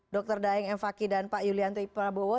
dr daeng m fakih dan pak yulianto iprabowo